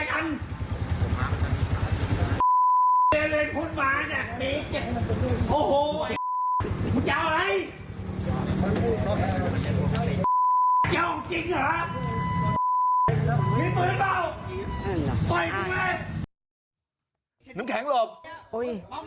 แต่ว่าผมขอโทษแล้วทำไมพวกมึงไม่ยอม